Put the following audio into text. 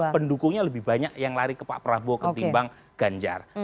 pendukungnya lebih banyak yang lari ke pak prabowo ketimbang ganjar